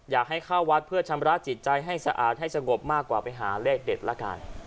อยากให้เข้าวัดเพื่อชำระจิตใจให้สะอาดให้สงบมากกว่าไปหาเลขเด็ดละกัน